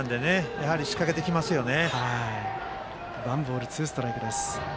やはり、仕掛けてきますよね。